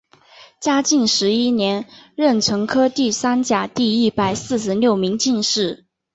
嘉靖十一年壬辰科第三甲第一百四十六名进士。